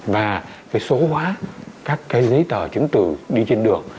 và số hóa các giấy tờ chứng tử đi trên đường